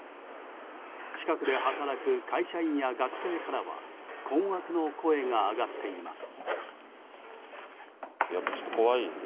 近くで働く会社員や学生からは困惑の声が上がっています。